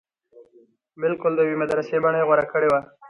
بلکل د يوې مدرسې بنه يې غوره کړې وه.